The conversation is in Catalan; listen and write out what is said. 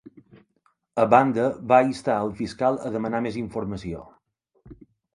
A banda, va instar el fiscal a demanar més informació.